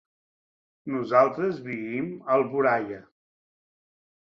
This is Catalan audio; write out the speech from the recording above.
Nosaltres vivim a Alboraia.